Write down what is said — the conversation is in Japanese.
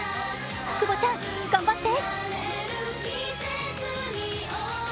久保ちゃん、頑張って。